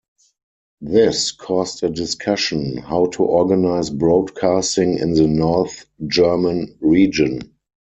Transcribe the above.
This caused a discussion how to organise broadcasting in the North German region.